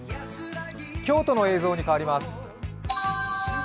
京都の映像に変わります。